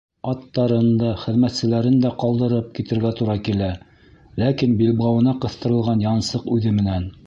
Аттарын да, хеҙмәтселәрен дә ҡалдырып китергә тура килә, ләкин билбауына ҡыҫтырылған янсыҡ үҙе менән.